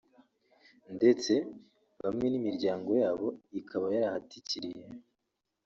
ndetse bamwe n’imiryango yabo ikaba yarahatikiriye